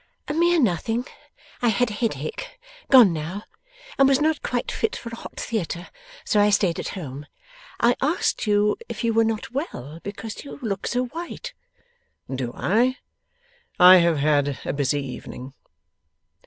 'A mere nothing. I had a headache gone now and was not quite fit for a hot theatre, so I stayed at home. I asked you if you were not well, because you look so white.' 'Do I? I have had a busy evening.